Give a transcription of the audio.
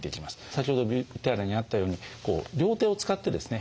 先ほどＶＴＲにあったように両手を使ってですね